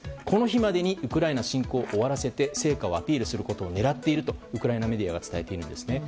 この日までにウクライナ侵攻を終わらせて成果をアピールすることを狙っているとウクライナメディアが伝えています。